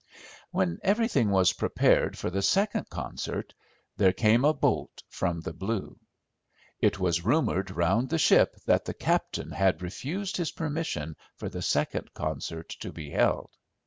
When everything was prepared for the second concert there came a bolt from the blue. It was rumoured round the ship that the captain had refused his permission for the second concert to be held.